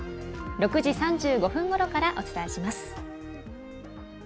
６時３５分ごろからお伝えします。